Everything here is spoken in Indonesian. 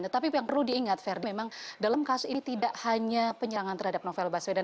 tetapi yang perlu diingat verdi memang dalam kasus ini tidak hanya penyerangan terhadap novel baswedan